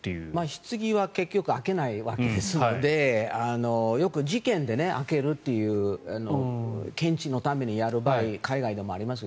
ひつぎは結局開けないわけですのでよく事件で開けるという検視のためにやる場合海外でもあります